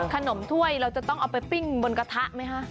ถ้วยเราจะต้องเอาไปปิ้งบนกระทะไหมคะ